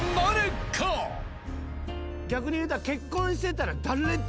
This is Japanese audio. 逆に言うたら。